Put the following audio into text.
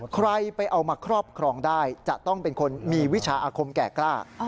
ใครไปเอามาครอบครองได้จะต้องเป็นคนมีวิชาอาคมแก่กล้า